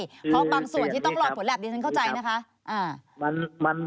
เพราะบางส่วนที่ต้องรอผลแล็บดิฉันเข้าใจนะคะ